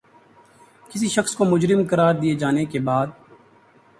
کسی شخص کو مجرم قراد دیے جانے کے بعد